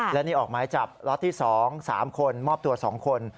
และนี่ออกหมายจับล็อตที่๒๓คนมอบตัว๒คน